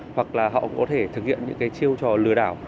hoặc là họ có thể thực hiện những cái chiêu trò lừa đảo